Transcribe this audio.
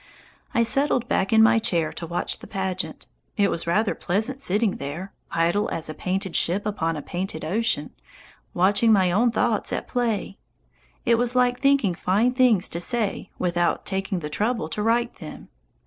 I settled back in my chair to watch the pageant. It was rather pleasant sitting there, "idle as a painted ship upon a painted ocean," watching my own thoughts at play. It was like thinking fine things to say without taking the trouble to write them.